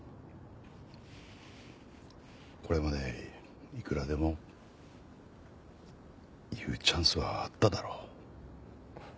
これまでいくらでも言うチャンスはあっただろ。